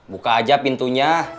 buka aja pintunya